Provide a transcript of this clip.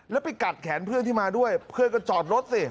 แล้วไปกัดแขนเพื่อนที่มาด้วยเพื่อนก็จอดรถสิ